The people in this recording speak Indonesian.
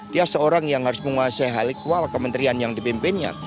dia seorang yang harus menguasai halikwa kementerian yang dipimpinnya